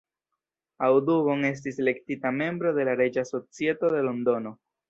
Audubon estis elektita membro de la Reĝa Societo de Londono.